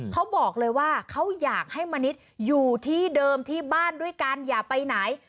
เขาบอกเลยว่าเขาอยากให้มณิษฐ์อยู่ที่เดิมที่บ้านด้วยกันอย่าไปไหน